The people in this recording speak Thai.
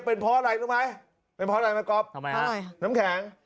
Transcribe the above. เป็นเพราะอะไรรู้ไหมเป็นเพราะอะไรไหมก๊อฟทำไมน้ำแข็ง